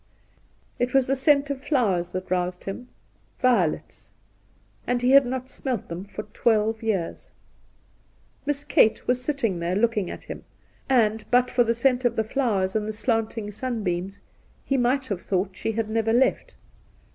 It was the scent of flowers that roused him. Violets ! And he had not smelt them for twelve years ! Miss Kate was sitting there looking at him, and, but for the scent of the flowers and the slanting sun beams, he might have thought she had never left.